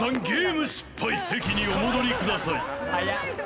ゲーム失敗席にお戻りください